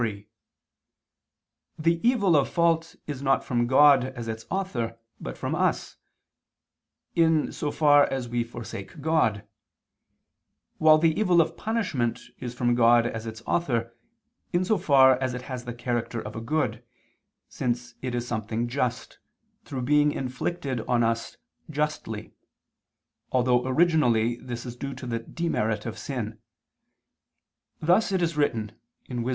3: The evil of fault is not from God as its author but from us, in for far as we forsake God: while the evil of punishment is from God as its author, in so far as it has character of a good, since it is something just, through being inflicted on us justly; although originally this is due to the demerit of sin: thus it is written (Wis.